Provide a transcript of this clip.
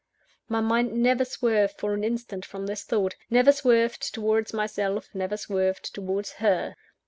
_ My mind never swerved for an instant from this thought never swerved towards myself; never swerved towards _her.